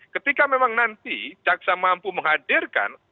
ketika memang nanti jaksa mampu menghadirkan